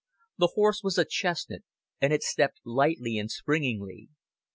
The horse was a chestnut, and it stepped lightly and springily.